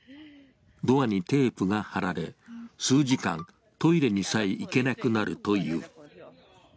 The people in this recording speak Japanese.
ドアにテープが貼られ、数時間、トイレにさえ行けなくなるという。